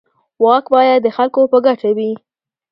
واک باید د خلکو په ګټه وي.